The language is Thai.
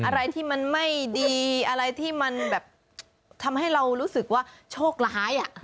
อะไรที่มันไม่ดีอะไรที่มันแบบทำให้เรารู้สึกว่าโชคร้าย